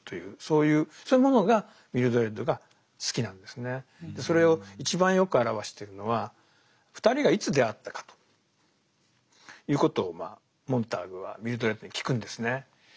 これ３つ共通点あってどれもそれを一番よく表してるのは２人がいつ出会ったかということをモンターグはミルドレッドに聞くんですね。